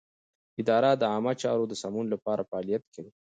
اداره د عامه چارو د سمون لپاره فعالیت کوي.